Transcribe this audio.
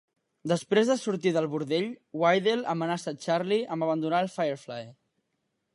Després de sortir del bordell, Wydell amenaça Charlie amb abandonar els Firefly.